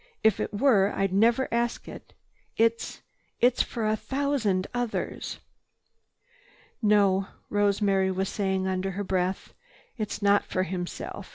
If it were, I'd never ask it. It—it's for a thousand others." "No," Rosemary was saying under her breath, "it's not for himself.